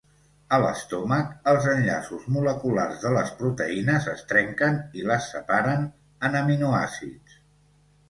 A l'estómac els enllaços moleculars de les proteïnes es trenquen i les separen en aminoàcids.